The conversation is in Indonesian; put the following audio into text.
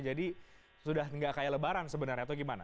jadi sudah tidak kaya lebaran sebenarnya atau bagaimana